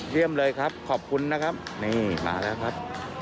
เยี่ยมเลยครับขอบคุณนะครับนี่มาแล้วครับ